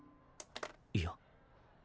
いや。